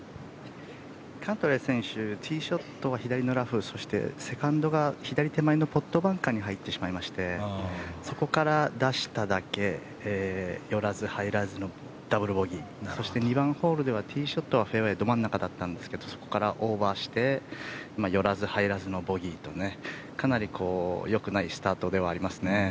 キャントレー選手ティーショットは左のラフそしてセカンドが左手前のポットバンカーに入ってしましましてそこから出しただけ寄らず入らずのダブルボギーそして２番ホールではティーショットはフェアウェーど真ん中ったんですがそこからオーバーして寄らず入らずのボギーとかなりよくないスタートではありますね。